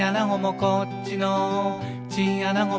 「こっちのチンアナゴも」